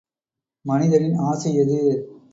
மனிதனின் ஆசை எது?